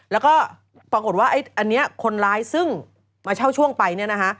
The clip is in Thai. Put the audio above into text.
แล้วก็ปรากฏว่าอันนี้คนร้ายซึ่งมาเช่าช่วงไปเนี่ยนะคะ